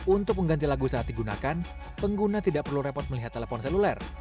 untuk mengganti lagu saat digunakan pengguna tidak perlu repot melihat telepon seluler